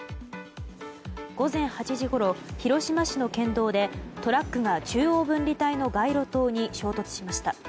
午前８時ごろ広島市の県道でトラックが中央分離帯の街路灯に衝突しました。